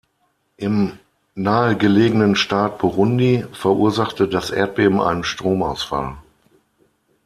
Im nahegelegenen Staat Burundi verursachte das Erdbeben einen Stromausfall.